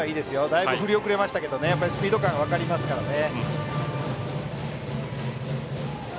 だいぶ、振り遅れましたけどもスピード感、分かりますからね。